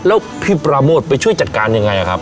แล้วพี่ปราโมทไปช่วยจัดการยังไงครับ